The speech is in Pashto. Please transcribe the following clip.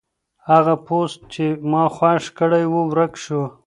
هغه پوسټ چې ما خوښ کړی و ورک شو.